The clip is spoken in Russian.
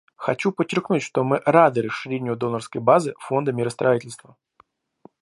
Хочу подчеркнуть, что мы рады расширению донорской базы Фонда миростроительства.